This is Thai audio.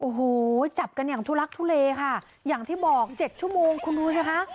โอ้โหจับกันอย่างทุลักทุเลค่ะอย่างที่บอกเจ็ดชั่วโมงคุณดูสิคะ